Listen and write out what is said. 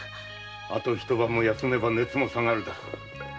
あと一晩も休めば熱も下がるだろう。